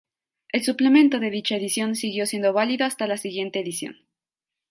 El suplemento de dicha edición siguió siendo válido hasta la siguiente edición.